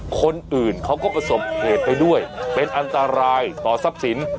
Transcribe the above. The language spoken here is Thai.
คนอื่นเขาก็ประสบเหตุไปด้วยเป็นอันตรายต่อทรัพย์สิน